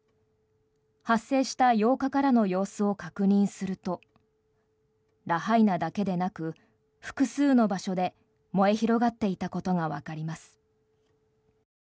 発生した８日からの様子を確認するとラハイナだけでなく複数の場所で燃え広がっていたことがわかります。